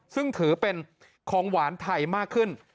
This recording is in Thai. ซึ่งถือเป็นของหวานไทยมากขึ้น